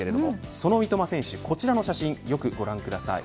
その三笘選手、こちらの写真よくご覧ください。